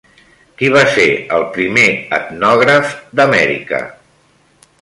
Qui va ser el primer etnògraf d'Amèrica?